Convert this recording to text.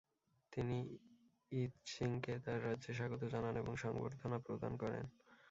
তিনি ই-ৎসিঙকে তার রাজ্যে স্বাগত জানান এবং সংবর্ধনা প্রদান করেন।